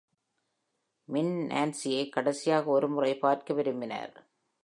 மின் நான்சியை கடைசியாக ஒரு முறை பார்க்க விரும்பினார்.